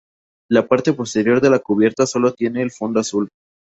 La parte posterior de la cubierta sólo tiene el fondo azul.